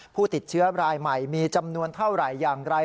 ผู้ติดเชื้อรายใหม่มีจำนวนเท่าไหร่อย่างไร